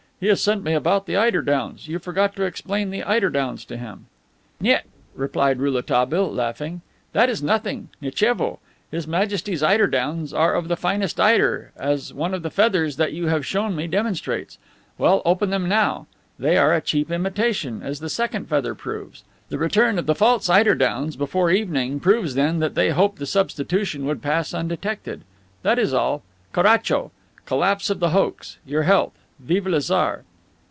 "He has sent me about the eider downs. You forgot to explain the eider downs to him." "Niet!" replied Rouletabille, laughing. "That is nothing. Nitchevo! His Majesty's eider downs are of the finest eider, as one of the feathers that you have shown me demonstrates. Well, open them now. They are a cheap imitation, as the second feather proves. The return of the false eider downs, before evening, proves then that they hoped the substitution would pass undetected. That is all. Caracho! Collapse of the hoax. Your health! Vive le Tsar!"